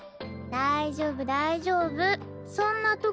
大丈夫大丈夫。